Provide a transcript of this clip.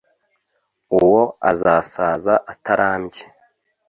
Uwo azasaza atarambye,